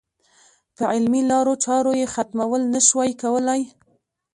په علمي لارو چارو یې ختمول نه شوای کولای.